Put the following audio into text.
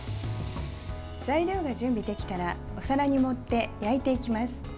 材料が準備できたらお皿に盛って焼いていきます。